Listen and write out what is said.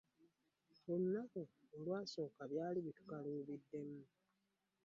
Olunaku olwasooka byali bitukaluubiriddemu.